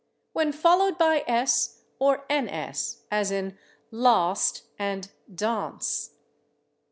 when followed by /s/ or /ns/, as in /last/ and /dance